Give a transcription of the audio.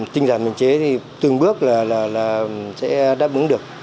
tinh giảm biển chế thì từng bước là sẽ đáp ứng được